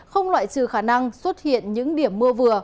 không loại trừ khả năng xuất hiện những điểm mưa vừa